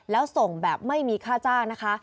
แล้วส่งแบบไม่มีค่าจ้างนะคะ